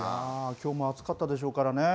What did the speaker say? きょうも暑かったでしょうからね。